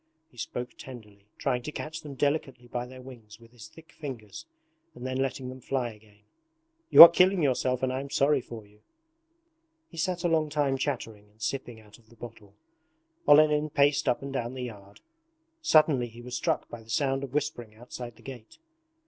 He spoke tenderly, trying to catch them delicately by their wings with his thick fingers and then letting them fly again. 'You are killing yourself and I am sorry for you!' He sat a long time chattering and sipping out of the bottle. Olenin paced up and down the yard. Suddenly he was struck by the sound of whispering outside the gate.